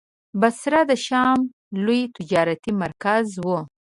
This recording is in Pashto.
بصره د شام لوی تجارتي مرکز و.